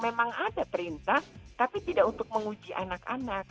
memang ada perintah tapi tidak untuk menguji anak anak